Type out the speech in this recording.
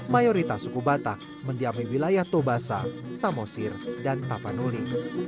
mayoritas suku batak mendiami wilayah tobasa samosir dan tapanuli